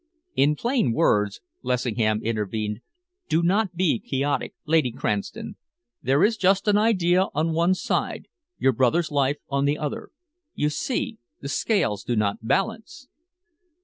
"In plain words," Lessingham intervened, "do not be quixotic, Lady Cranston. There is just an idea on one side, your brother's life on the other. You see, the scales do not balance."